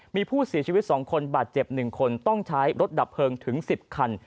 มีผู้เสียชีวิต๒คนบาดเจ็บ๑คนต้องใช้รถดับเพลิงถึง๑๐คัน